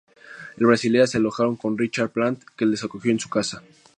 En Basilea se alojaron con Richard Plant, que los acogió en su casa.